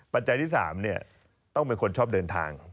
ปัจจัยที่๓ต้องเป็นคนชอบเดินทาง